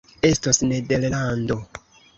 Estos Nederlando!